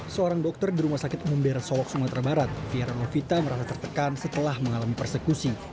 seorang dokter di rumah sakit umum dera solok sungai terbarat fira lovita merasa tertekan setelah mengalami persekusi